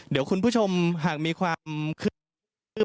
เดี๋ยวคุณผู้ชมหากมีความคิดว่าคืน